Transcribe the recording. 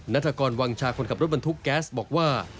นัทกรวังชาคนขับรถบรรทุกแก๊สบอกว่า